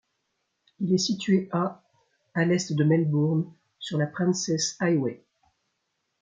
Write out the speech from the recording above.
Il est situé à à l'est de Melbourne, sur la Princes Highway.